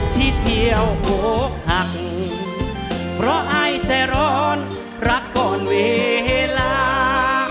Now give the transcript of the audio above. ที่เที่ยวโหกหักเพราะอายใจร้อนรักก่อนเวลา